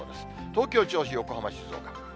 東京、銚子、横浜、静岡。